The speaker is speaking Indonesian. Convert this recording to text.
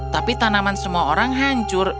tapi tanaman semua orang hancur